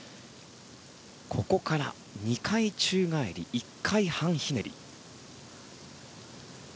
ここから２回宙返り１回半ひねり。